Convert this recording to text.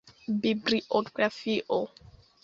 Bibliografio.